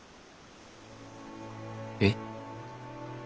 えっ？